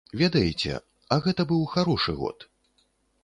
Ведаеце, а гэта быў харошы год.